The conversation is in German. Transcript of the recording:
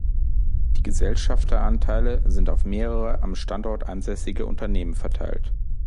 Die Gesellschafteranteile sind auf mehrere am Standort ansässige Unternehmen verteilt.